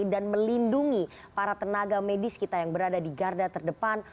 dan melindungi para tenaga medis kita yang berada di garda terdepan